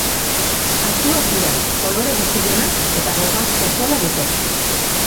Altuak dira, kolore bizidunak eta gomazko zola dute.